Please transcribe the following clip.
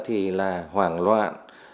thì là hoảng loạn